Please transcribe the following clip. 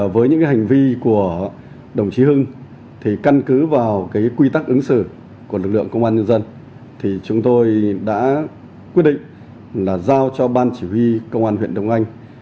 với những hành vi của đồng chí hưng thì căn cứ vào quy tắc ứng xử của lực lượng công an nhân dân thì chúng tôi đã quyết định là giao cho ban chỉ huy công an huyện đông anh